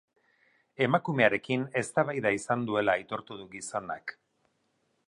Emakumearekin eztabaida izan duela aitortu du gizonak.